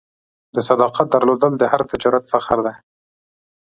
د صداقت درلودل د هر تجارت فخر دی.